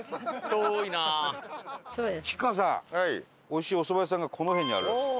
おいしいお蕎麦屋さんがこの辺にあるらしいです。